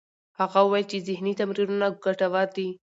هغه وویل چې ذهنې تمرینونه ګټور دي.